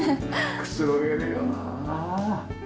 くつろげるよな。